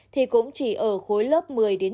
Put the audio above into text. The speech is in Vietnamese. thì cũng chỉ ở khối lớp một mươi một mươi hai